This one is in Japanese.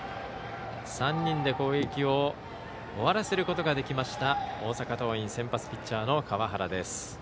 ３人で攻撃を終わらせることができました大阪桐蔭先発ピッチャーの川原。